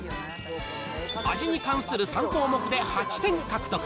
味に関する３項目で８点獲得。